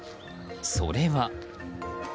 それは。